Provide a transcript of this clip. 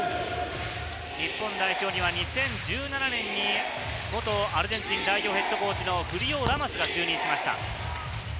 日本代表には２０１７年に元アルゼンチン代表のヘッドコーチのフリオ・ラマスが就任しました。